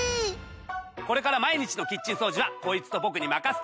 これから毎日のキッチン掃除はこいつと僕に任せて！